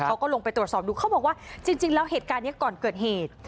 เขาก็ลงไปตรวจสอบดูเขาบอกว่าจริงแล้วเหตุการณ์นี้ก่อนเกิดเหตุ